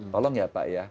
tolong ya pak ya